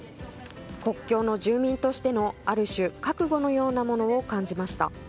国境の住民としての、ある種覚悟のようなものを感じました。